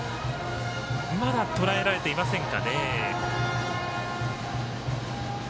まだとらえられていませんか。